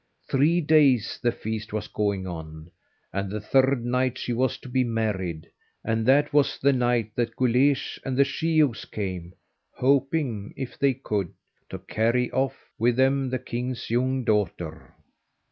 Three days the feast was going on, and the third night she was to be married, and that was the night that Guleesh and the sheehogues came, hoping, if they could, to carry off with them the king's young daughter.